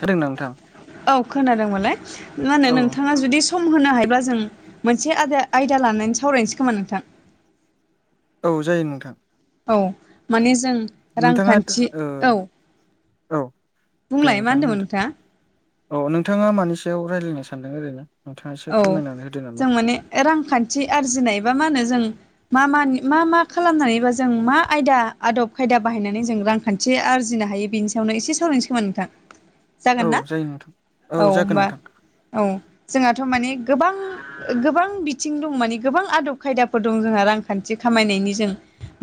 होदों नोंथां औ खोनादोंमोनलाय मा होनो औ नोंथाङा जुदि सम होनो हायोब्लाा जों मोनसे आदा-आयदा लानानै सावरायनोसै खोमा नोंथां। औ जायो नोंथां। औ माने जों नोंथाङा रांखान्थि ओ औ औ दे बुंलाय मा नोंथाङा होनदोंमोन होनदो औ नोंथाङा मानि सायाव रायलायनो सानदों ओरैनो? नोंथाङा एसे औ फोरमायनानै होदो नामा जों माने रांखान्थि आरजिनायबा मा होनो जों मा मानि मा मा खालामनानैबा जों मा आयदा आदब खायदा बाहायनानै जों रां खानथि आरजिनो हायो बेनि सायावनो एसे सावरायनोसै खोमा नोंथां। औ जागोन ना जायो नोंथां औ जागोन होमबा नोंथां औ जोंहाथ' माने गोबां गोबां बिथिं दं मानिे गोबां आदब खायदाफोर दं जोंहा रांखान्थि खामायनायनि जों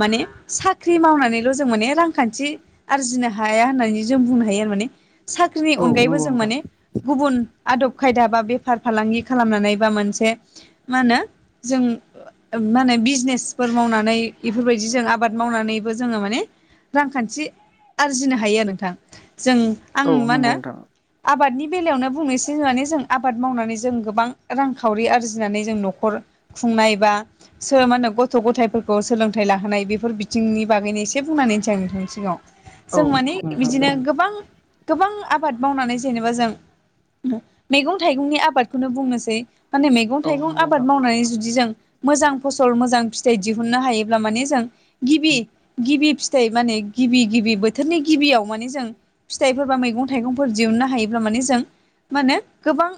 माने साख्रि मावनानैल' जों माने रांखान्थि आरजिनो हाया होननानै जों बुंनो हायो आरोमाने साख्रिनि औ अनगायैबो नंगौ जों नोंथां माने गुबुन आदब खायदा बा बेफार फालांगि खालामनानै बा मोनसे मा होनो जों मा होनो बिजनेसफोर मावनानै बेफोरबायदि जों आबाद मावनानैबो जोङो माने रांखान्थि आरजिनो हायो आरो नोंथां जों आं औ मा नंगौ होनो नोंथां आबादनि बेलायावनो बुंनोसैे जों आबाद मावनानै जों गोबां रांखावरि आरजिनानै जों न'खर खुंनाय बा मा होनो गथ' गथायफोरखौ सोलोंथाइ लाहोनाय बेफोर बिथिंनि बागैनो एसे बुंनानैनोसै आं नोंथांनि सिगाङाव औ जों माने नोंथां बिदिनो जागोन गोबां गोबां आबाद मावनानै जेनेबा जों मैगं थाइगंनि आबादखौनो बुंनोसै माने मैगं औ थाइगं नंगौ नोंथां आबाद मावनानै जुदि जों मोजां फसल मोजां फिथाइ दिहुननो हायोब्ला माने जों गिबि गिबि फिथाइ माने गिबि गिबि बोथोरनि गिबियाव माने जों फिथाइफोर बा मैगं थाइगंफोर दिहुननो हायोब्ला माने जों मा होनो गोबां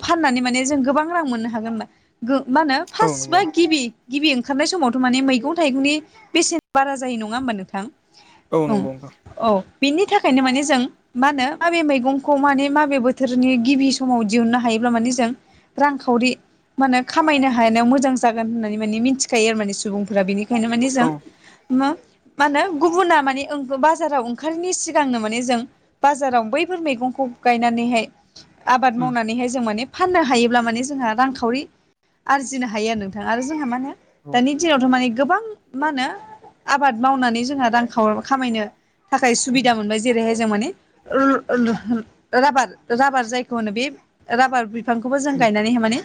फाननानै माने जों गोबां रां मोननो हागोन होना मा होनो औ फार्स्ट बा नंगौ गिबि गिबि ओंखारनाय समावथ' माने मैगं थाइगंनि बेसेन बारा जायो नङा होमबा नोंथां औ ओं नंगौ नोंथां औ बिनि थाखायनो माने जों मा होनो माबे मैगंखौ माने माबे बोथोरनि गिबि समाव दिहुननो हायोब्ला माने जों रांखावरि माने खामायनो हानायाव मोजां जागोन होननानै माने मिथिखायो आरो माने सुबुंफोरा बेनि बेखायनो माने औ जों माहोनो गुबुना माने बाजाराव ओंखारनि सिगांनो माने जों बाजाराव बैफोर मैगंखौ गायनानैहाय आबाद उम मावनानैहाय जों माने फाननो हायोब्ला माने जोंहा रांखावरि आरजिनो हायो आरो नोंथांा आरो जोंहा मा होनो औ दानि दिनावथ' माने गोबां मा होनो आबाद मावनानै जोंहा रां खाव खामायनो थाखाय सुबिदा मोनबाय जेरैहाय जों माने राबार राबार जायखौ होनो बे राबार बिफांखौबो जों उम गायनानैहाय माने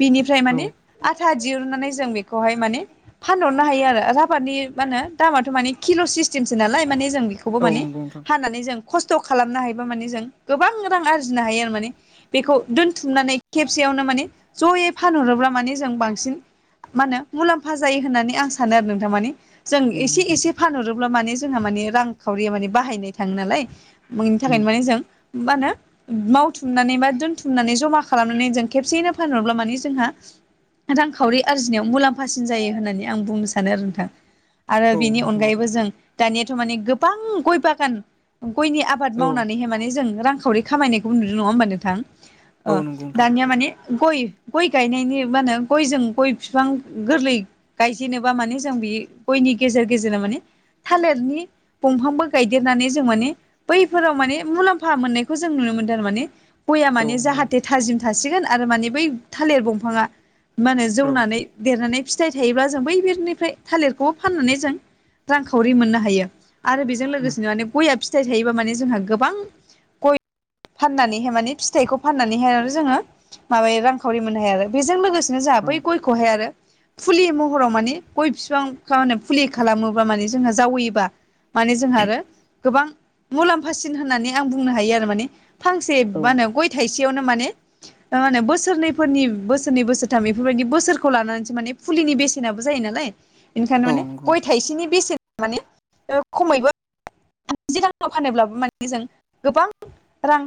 बिनिफ्राय औ माने आथा दिहुननानै जों बेखौहाय माने फानहरनो हायो आरो राफादनि मा होनो दामाथ' माने किल' सिस्टेमसो नालाय माने जों बेखौ खौबो औ माने नंगौ नोंथां हानानै जों खस्थ' खालामनो हायोबा माने जों गोबां रां आरजिनो हायो आरो माने बेखौ दोनथुमनानै खेबसेयावनो माने जयै फानहरोब्ला माने जों बांसिन मा होनो मुलाम्फा जायो होननानै आं सानो आरो नोंथां मानिे जों उम एसे नंगौ एसे नोंथां फानहरोब्ला माने जोंहा माने रांखावरिया माने बाहायनाय थाङो नालाय बेनि थाखायनो उम माने जों मा होनो मावथुमनानै बा दोनथुमनानै जमा खालामनानै जों खेबसेयैनो फानहरब्ला माने जोंहा रांखावरि आरजिनायाव मुलाम्फासिन जायो होननानै आं बुंनो सानो आरो नोंथां आरो औ बेनि नंगौ नोंथां अनगायैबो जों दानियाथ' माने गोबां गय बागान गयनि आबाद आबाद औ मावनानैहाय माने जों रांखावरि खामायनायखौ नुदों नङा होमबा नोंथां औ नंगौ नोंथां दानिया माने गय गय गायनायनि मा होनो गयजों गय बिफां गोरलै गायजेनोबा माने जों बे गयनि गेजेर गेजेराव माने थालिरनि दंफांबो गायदेरनानै जों माने बैफोराव माने मुलाम्फा मोननायखौ जों नुनो मोनदोंारमाने बया औ नंगौ जाहाथे थाजिम थासिगोन आरो माने बै थालिर दंफाङा मा होनो औ जौनानै देरनानै फिथाइ थायोब्ला जों बै बेनिफ्राय थालिरखौबो फाननानै जों रांखावरि मोननो हायो आरो बेजों उम लोगोसेनो माने गयआ फिथाइ थायोबा माने जोंहा गोबां गय फाननानैहाय माने फिथाइखौ फाननानैहाय आरो जोङो माबायो रांखावरि मोनहायो आरो बेजों लोगोसेनो जोंहा औ बै गयखौहाय आरो फुलि महराव माने गय बिफां ाने फुलि खालामोबा माने जोंहा जावैबा माने जोंहा आरो गोबां मुलाम्फासिन होननानै आं बुंनो हायो आरो माने फांसे औ मा होनो गय थाइसेयावनो माने मा होनो बोसोरनैफोरनि बोसोरनै बोसोरथाम बेफोरबायदि बोसोरखौ लानानैसो माने फुलिनि बेसेनाबो जायो नालाय बेनिखायनो औ माने नंगौ गय थाइसेनि बेसेन माने खमैबो [unintelligible] फानोब्लाबो माने जों गोबां रां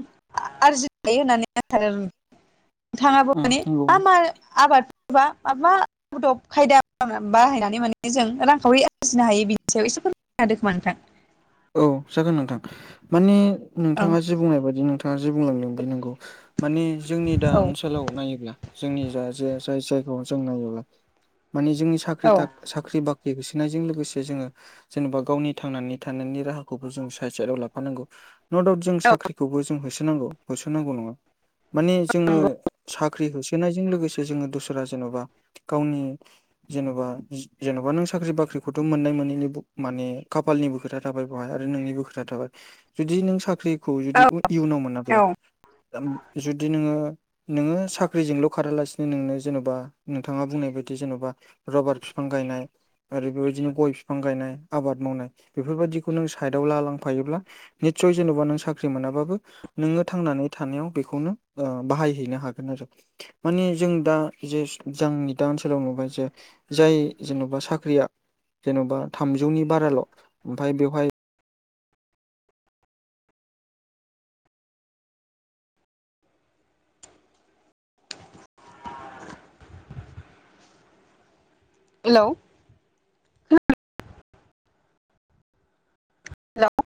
आरजिनो हायो होननानै [inaudible] नोंथाङाबो उम माने नंगौ मा मा आबाद [unintelligible] मा आदब खायदा बाहायनानै माने जों रांखावरि आरजिनो हायो बिनि सायाव एसे [unintelligible] नोंथां। औ जागोन नोंथां माने औ नोंथाङा जे बुंनाय बायदि नोंथाङा जे बुंलांदों बे नंगौ। माने जोंनि दा ओनसो लाव नायोब्ला जोंनि जा जे जाय जायगायाव जों नायोब्ला माने जोंनि साख्रि औ साख्रि बाख्रि होसोनायजों लोगोसे जोङो जेनेबा गावनि थांनानै थानायनि राहाखौबो जों साइड साइडआव लाफानांगौ [unintelligible] औ साख्रिखौबो जों होसोनांगौ। होसोनांगौ नङा माने जोङो नंगौ सा ख्रि होसोनायजों लोगोसे जोङो दसरा जेन'बा गावनि जेन'बा जि जेन'बा नों साख्रि बाख्रिखौथ' मोननाय मोनैनि बु माने खाफालनिबो खोथा थाबाय‌ बहाय आरो नोंनिनो खोथा थाबाय जुदि नों साख्रि खौ जुदि औ इयुनाव मोनाब्ला औ हेलौ जुदि नोङो नोङो साख्रिजोंल' खारालासिनो नोंनो जेन'बा नोंथाङा बुंनाय बायदि जेन'बा रबार फिफां गायनाय आरो बेबायदिनो गय फिफां गायनाय, आबाद मावनाय बेफोरबादिखौ नों साइडआव लालांफायोब्ला निटसय जेन'बा नों साख्रि मोनाबाबो नोङो थांनानै थानायाव बेखौनो ओ बाहायहैनो हागोन आरो। माने जों दा जेस जोंनि दा ओनसोलाव नुबाय जे जाय जेन'बा साख्रिया जेन'बा थामजौनि बाराल' उमफाय बेवहाय हेलौ हेलौ